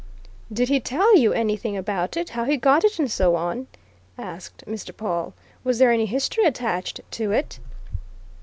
"Did he tell you anything about it how he got it, and so on?" asked Mr. Pawle. "Was there any history attached to it?"